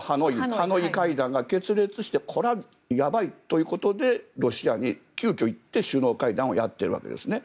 ハノイ会談が決裂してこれはやばいということでロシアに急きょ行って首脳会談をやっているんですね。